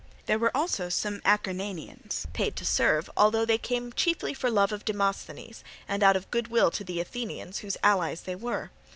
There were also some Acarnanians paid to serve, although they came chiefly for love of Demosthenes and out of goodwill to the Athenians whose allies they were.